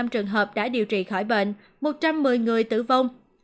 một mươi ba hai trăm năm mươi năm trường hợp đã điều trị khỏi bệnh một trăm một mươi người tử vong